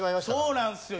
そうなんですよ。